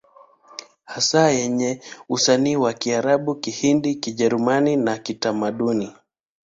Hasa yenye usanifu wa Kiarabu Kihindi Kijerumani na Kitamaduni